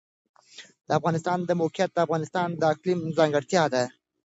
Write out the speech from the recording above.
د افغانستان د موقعیت د افغانستان د اقلیم ځانګړتیا ده.